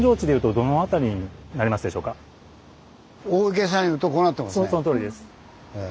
そのとおりです。